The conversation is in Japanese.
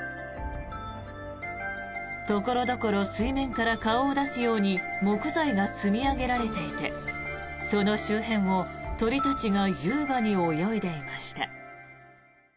所々、水面から顔を出すように木材が積み上げられていてその周辺を鳥たちが優雅に泳いでいました。